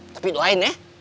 tapi doain ya